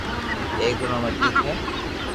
ايڪ رو نوم اجيت ھي